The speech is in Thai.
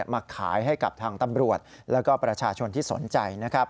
มาขายให้กับทางตำรวจและก็ประชาชนที่สนใจ